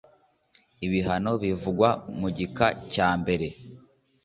ibihano bivugwa mu gika cyambere .